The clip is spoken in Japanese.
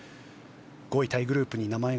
５位タイグループです。